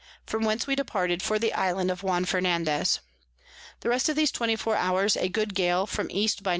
from whence we departed for the Island of Juan Fernandez. The rest of these 24 hours a good Gale from E by N.